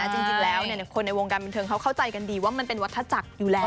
จริงแล้วคนในวงการบันเทิงเขาเข้าใจกันดีว่ามันเป็นวัฒนาจักรอยู่แล้ว